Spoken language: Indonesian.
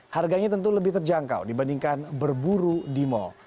harganya tentu lebih terjangkau dibandingkan berburu di mal